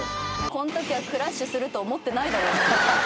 この時はクラッシュすると思ってないだろうね